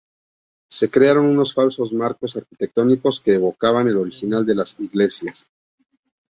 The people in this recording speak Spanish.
Se crearon unos falsos marcos arquitectónicos que evocaban el original de las iglesias.